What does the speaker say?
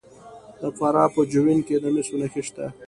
د فراه په جوین کې د مسو نښې شته.